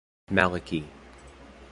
Malachy.